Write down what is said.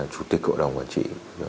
chủ tịch cộng đồng quản trị